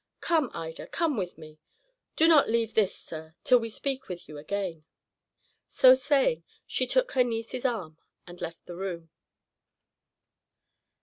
Come, Ida, come with me. Do not leave this, sir, till we speak with you again." So saying, she took her niece's arm and left the room.